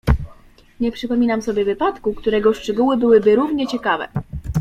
"Nie przypominam sobie wypadku, którego szczegóły byłyby równie ciekawe."